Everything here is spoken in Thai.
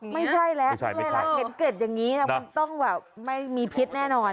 ไม่ใช่แล้วใช่แล้วเห็นเกร็ดอย่างนี้นะมันต้องแบบไม่มีพิษแน่นอน